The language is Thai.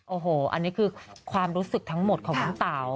โอ้โหอันนี้คือความรู้สึกทั้งหมดของน้องเต๋า